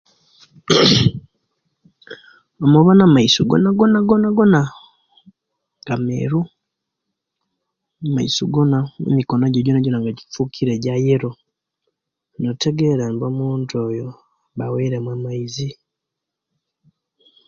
Omuwona amaiso gonagonagona nga meru amaiso gona emikono je jonajona nga gifukire ja'yellow notegera nga omuntu oyo aba'wairemu maizi